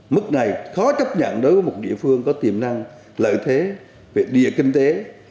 mức này khó chấp nhận đối với một địa phương có tiềm năng lợi thế về địa kinh tế